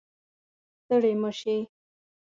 ستړې مه شې